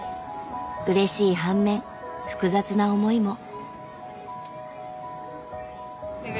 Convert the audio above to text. うれしい半面複雑な思いも。